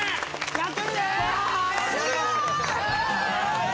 やったるで！